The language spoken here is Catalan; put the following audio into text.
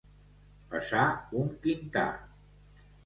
Pesar un quintar.